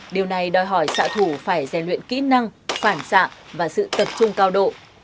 điều này đòi hỏi xã thủ phải rèn luyện kỹ năng khoản dạng và sự tập trung cao độ